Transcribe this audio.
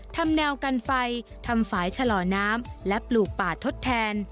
ทำแนวกันไฟทำฝ่ายชะลอน้ำและปลูกป่าทดแทน